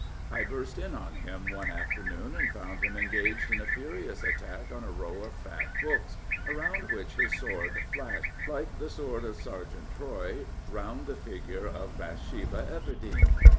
I burst in on him one afternoon and found him engaged in a furious attack on a row of fat books, around which his sword flashed like the sword of Sergeant Troy around the figure of Bath sheba Everdene.